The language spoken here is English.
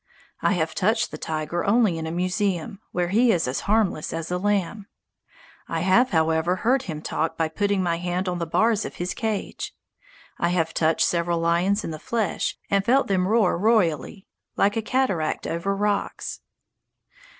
I have touched the tiger only in a museum, where he is as harmless as a lamb. I have, however, heard him talk by putting my hand on the bars of his cage. I have touched several lions in the flesh, and felt them roar royally, like a cataract over rocks.